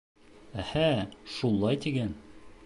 — Әһә, шулай тиген.